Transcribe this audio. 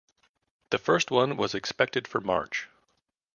The first one was expected for March.